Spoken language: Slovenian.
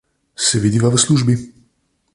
Se vidiva v službi.